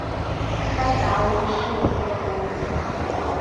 该岛屿是一个无人岛。